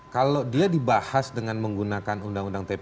kalau dia dibahas dengan menggunakan undang undang tp